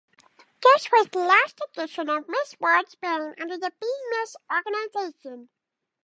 This was the last edition of Miss World Spain under the Be Miss Organization.